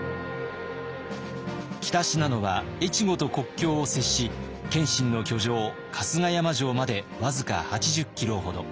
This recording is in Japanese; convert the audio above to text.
北信濃は越後と国境を接し謙信の居城春日山城まで僅か８０キロほど。